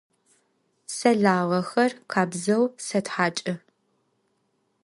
Se lağexer khabzeu sethaç'ı.